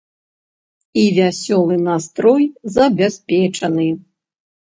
І вясёлы настрой забяспечаны.